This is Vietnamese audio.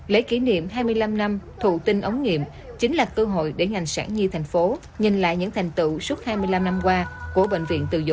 lễ kỷ niệm hai mươi năm năm thụ tinh ống nghiệm chính là cơ hội để ngành sản nhi thành phố nhìn lại những thành tựu suốt hai mươi năm năm qua của bệnh viện từ dũ